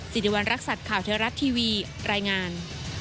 สิริวัณรักษัตริย์ข่าวเทวรัฐทีวีรายงาน